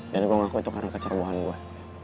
dan gue ngaku itu karena kecerbohan gue